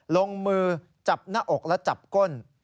ลงมือจับหน้าอกและจับก้น